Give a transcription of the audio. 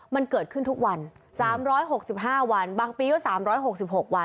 มันเกิดขึ้นทุกวัน๓๖๕วันบางปีก็๓๖๖วัน